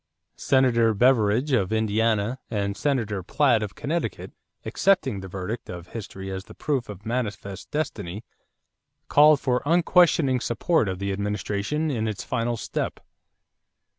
'" Senator Beveridge of Indiana and Senator Platt of Connecticut, accepting the verdict of history as the proof of manifest destiny, called for unquestioning support of the administration in its final step.